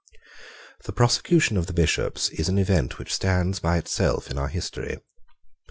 The prosecution of the Bishops is an event which stands by itself in our history.